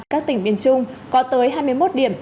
các tỉnh miền trung có tới hai mươi một điểm